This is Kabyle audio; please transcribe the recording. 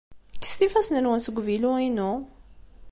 Kkset ifassen-nwen seg uvilu-inu!